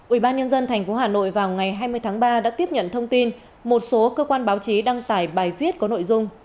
ủy ban nhân dân tp hà nội vào ngày hai mươi tháng ba đã tiếp nhận thông tin một số cơ quan báo chí đăng tải bài viết có nội dung